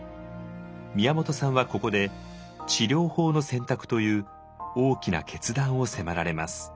宮本さんはここで治療法の選択という大きな決断を迫られます。